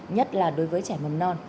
nhất là đối với trẻ mầm non